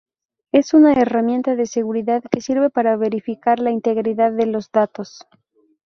Es una herramienta de seguridad que sirve para verificar la integridad de los datos.